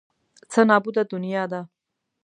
څه نابوده دنیا ده.